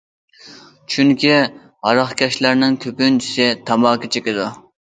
چۈنكى، ھاراقكەشلەرنىڭ كۆپىنچىسى تاماكا چېكىدۇ.